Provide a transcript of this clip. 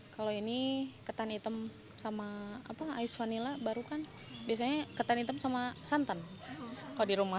kalau ini ketan hitam sama ais vanila baru kan biasanya ketan hitam sama santan kalau di rumah